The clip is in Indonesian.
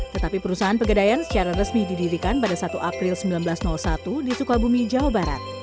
tetapi perusahaan pegadaian secara resmi didirikan pada satu april seribu sembilan ratus satu di sukabumi jawa barat